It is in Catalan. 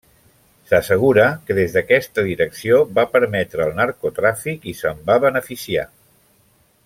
S'assegura que des d'aquesta direcció va permetre el narcotràfic i se'n va beneficiar.